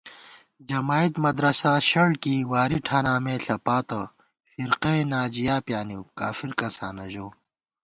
جمائید مدرساشَڑکېئی، واری ٹھاناں مےݪپاتہ * فِرقئہ ناجیاپیانِیؤ، کافر کساں نہ ژَؤ